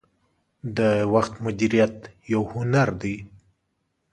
• د وخت مدیریت یو هنر دی.